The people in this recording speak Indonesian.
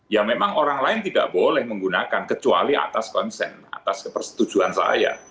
ya memang orang lain tidak boleh menggunakan kecuali atas konsen atas kepersetujuan saya